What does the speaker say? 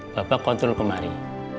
bapak kontrol kemarin